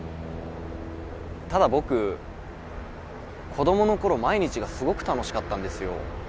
ただ僕子供のころ毎日がすごく楽しかったんですよ。